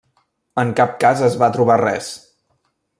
En cap cas es va trobar res.